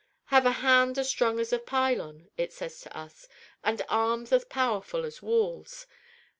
'Have a hand as strong as a pylon,' it says to us, 'and arms as powerful as walls.